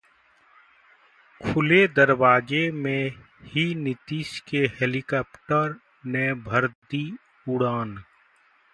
खुले दरवाजे में ही नीतीश के हेलीकॉप्टर ने भर दी उड़ान